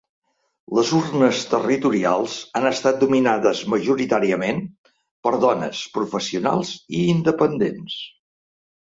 Les urnes territorials han estat dominades majoritàriament per dones, professionals i independents.